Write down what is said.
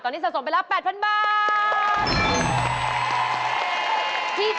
ตอนนี้สะสมไปแล้ว๘๐๐๐บาท